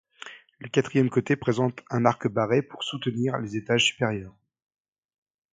Le quatrième côté présente un arc barré pour soutenir les étages supérieurs.